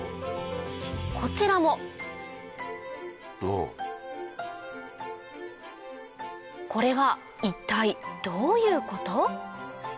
こちらもこれは一体どういうこと？